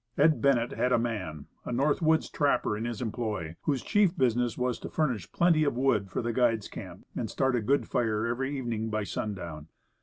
Ed. Bennett had a man, a North W T oods trapper, in his employ, whose chief business was to furnish plenty of wood for the guides' camp, and start a good fire every evening by sundown.